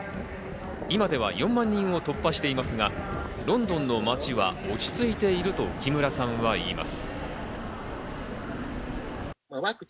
今では４万人を突破していますが、ロンドンの街は落ち着いていると木村さんは言います。